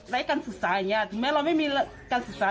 การศึกษาอย่างนี้ถึงแม้เราไม่มีการศึกษา